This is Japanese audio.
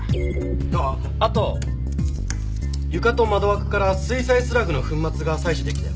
あっあと床と窓枠から水砕スラグの粉末が採取できたよ。